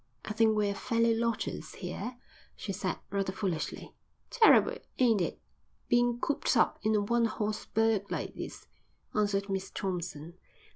"I think we're fellow lodgers here," she said, rather foolishly. "Terrible, ain't it, bein' cooped up in a one horse burg like this?" answered Miss Thompson.